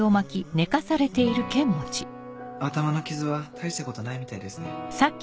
頭の傷は大したことないみたいですね。